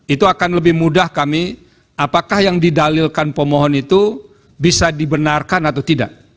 itu akan lebih mudah kami apakah yang didalilkan pemohon itu bisa dibenarkan atau tidak